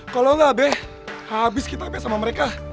kalau gak be habis kita be sama mereka